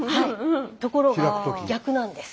ところが逆なんです。